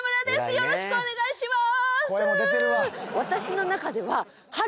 よろしくお願いします。